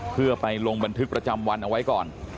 เพื่อไปลงบันทึกประจำวันเอาไว้ก่อน